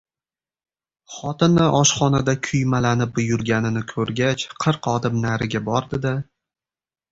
Xotini oshxonada kuymalanib yurganini koʻrgach, qirq odim nariga bordi-da: